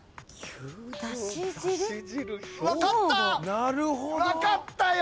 分かった！